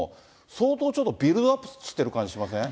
相当ちょっとビルドアップしてる感じしません？